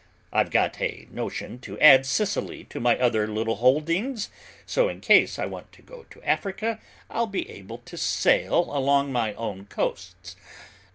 I've got a notion to add Sicily to my other little holdings, so in case I want to go to Africa, I'll be able to sail along my own coasts.